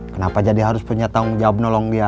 kenapa jadi harus punya tanggung jawab nolong dia